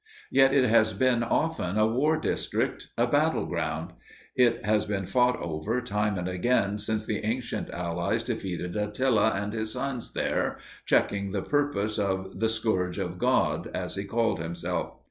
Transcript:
Yet it has been often a war district a battle ground; it has been fought over time and again since the ancient allies defeated Attila and his Huns there, checking the purpose of the "Scourge of God," as he called himself.